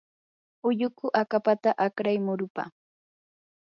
ulluku akapata akray murupa.